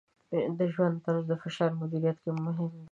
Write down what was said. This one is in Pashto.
د ژوند طرز د فشار مدیریت کې مهم دی.